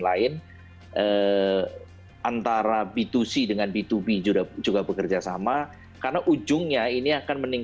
jadi bagaimana cara kita memanfaatkan lima g ini untuk memanfaatkan teknologi yang sangat penting